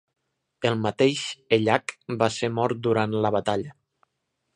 El mateix Ellac va ser mort durant la batalla.